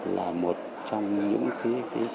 là một trong những cái